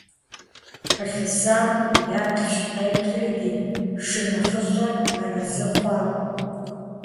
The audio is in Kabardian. Къылъысам еплъщ-къеплъри, ди шынэхъыщӀэр арэзы хъуакъым.